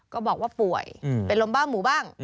ก็บอกว่าป่วยเป็นลมบ้าหมูบ้าง